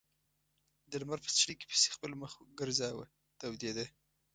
د لمر په څړیکې پسې خپل مخ ګرځاوه تودېده.